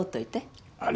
あれ？